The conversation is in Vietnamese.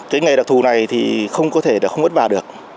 cái nghề đặc thù này thì không có thể là không vất vả được